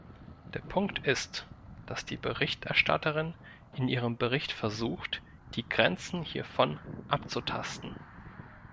Der Punkt ist, dass die Berichterstatterin in ihrem Bericht versucht, die Grenzen hiervon abzutasten.